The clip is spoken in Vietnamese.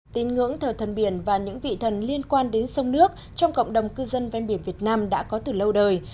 tín ngưỡng thờ thần biển và những vị thần liên quan đến sông nước trong cộng đồng cư dân ven biển việt nam đã có từ lâu đời